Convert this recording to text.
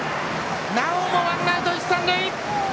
なおもワンアウト、一三塁！